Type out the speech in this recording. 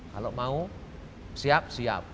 kalau mau siap siap